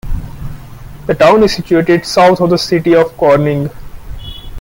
The town is situated south of the city of Corning.